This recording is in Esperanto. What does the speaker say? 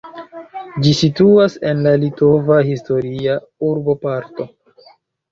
Ĝi situas en la litova historia urboparto.